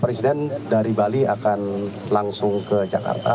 pak presiden dari bali akan langsung ke ready car birthday like the jagan